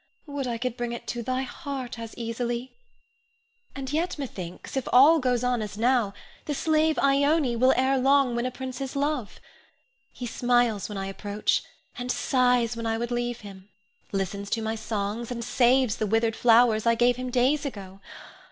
Would I could bring it to thy heart as easily! And yet, methinks, if all goes on as now, the slave Ione will ere long win a prince's love. He smiles when I approach, and sighs when I would leave him; listens to my songs, and saves the withered flowers I gave him days ago.